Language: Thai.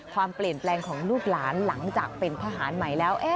ความเปลี่ยนแปลงของลูกหลานหลังจากเป็นทหารใหม่แล้ว